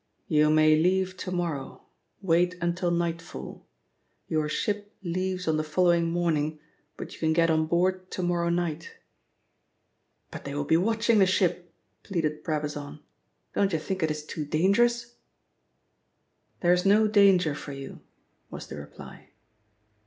"You may leave to morrow. Wait until nightfall. Your ship leaves on the following morning, but you can get on board to morrow night." "But they will be watching the ship," pleaded Brabazon. "Don't you think it is too dangerous?" "There is no danger for you," was the reply.